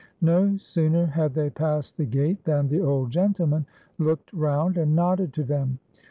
No sooner had they passed the gate than the old gentl :man looked roun d and nodded to them.